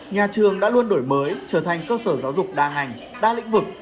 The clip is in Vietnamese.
nhà trường đã luôn đổi mới trở thành cơ sở giáo dục đa ngành đa lĩnh vực